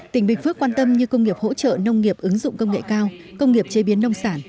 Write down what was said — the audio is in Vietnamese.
tỉnh bình phước quan tâm như công nghiệp hỗ trợ nông nghiệp ứng dụng công nghệ cao công nghiệp chế biến nông sản